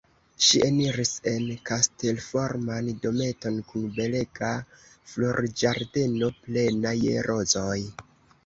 Ŝi eniris en kastelforman dometon kun belega florĝardeno plena je rozoj.